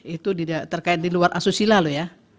itu terkait di luar asusila loh ya